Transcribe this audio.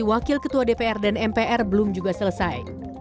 wakil ketua dpr dan mpr belum juga selesai